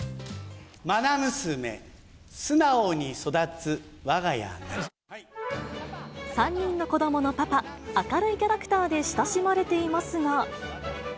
まな娘、素直に育つわが家な３人の子どものパパ、明るいキャラクターで親しまれていますが。